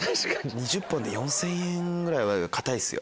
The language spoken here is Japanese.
２０本で４０００円ぐらいは堅いっすよ。